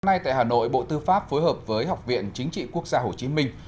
hôm nay tại hà nội bộ tư pháp phối hợp với học viện chính trị quốc gia hồ chí minh